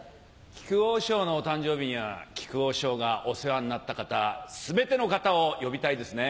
木久扇師匠のお誕生日には木久扇師匠がお世話になった方全ての方を呼びたいですね。